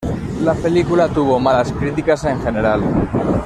La película tuvo malas críticas en general.